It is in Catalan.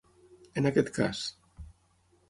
En aquest cas.